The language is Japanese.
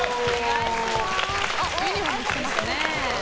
ユニホーム着てますね。